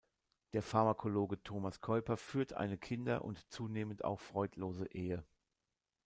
Der Pharmakologe Thomas Kuyper führt eine kinder- und zunehmend auch freudlose Ehe.